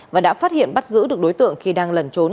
và đã phát hiện bắt giữ được đối tượng khi đang lẩn trốn